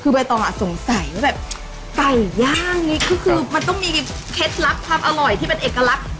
คือใบตองอ่ะสงสัยว่าแบบไก่ย่างนี้คือมันต้องมีเคล็ดลับความอร่อยที่เป็นเอกลักษณ์